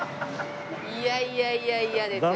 いやいやいやいやですよ。